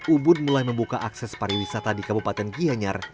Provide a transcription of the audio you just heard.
ubud mulai membuka akses pariwisata di kabupaten gianyar